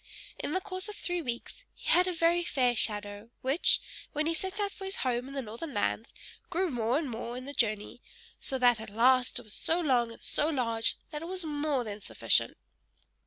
In the course of three weeks he had a very fair shadow, which, when he set out for his home in the northern lands, grew more and more in the journey, so that at last it was so long and so large, that it was more than sufficient.